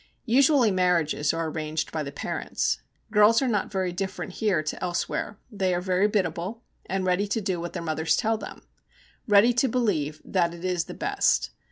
Usually marriages are arranged by the parents. Girls are not very different here to elsewhere; they are very biddable, and ready to do what their mothers tell them, ready to believe that it is the best.